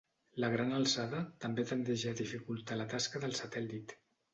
La gran alçada també tendeix a dificultar la tasca del satèl·lit.